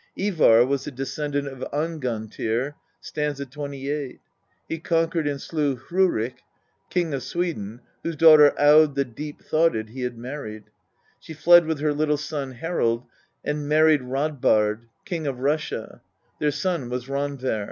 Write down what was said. Ivar was a descendant of Angantyr (st. 28) ; he conquered and slew Hrorek, king of Sweden, whose daughter, Aud the Deep thoughted, he had married. She fled with her little son Harald and married Radbard, king of Russia ; their son was Randver.